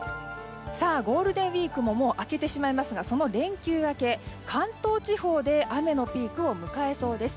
ゴールデンウィークももう明けてしまいますがその連休明け、関東地方で雨のピークを迎えそうです。